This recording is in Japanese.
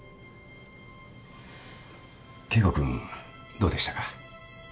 圭吾君どうでしたか？